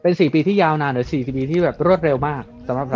๔ปีที่ยาวนานหรือ๔๐ปีที่แบบรวดเร็วมากสำหรับ